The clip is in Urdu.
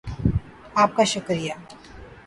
آپ کا شکریہ